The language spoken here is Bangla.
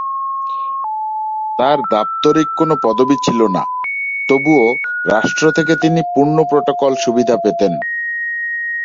তার দাপ্তরিক কোন পদবী ছিলো না, তবুও রাষ্ট্র থেকে তিনি পূর্ণ প্রোটোকল সুবিধা পেতেন।